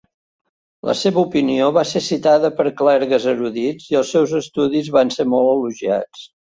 La seva opinió va ser citada per clergues erudits i els seus estudis van ser molt elogiats.